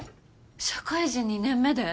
社会人２年目で？